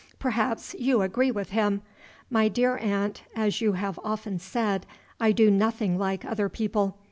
"Perhaps you agree with him? My dear aunt (as you have often said), I do nothing like other people.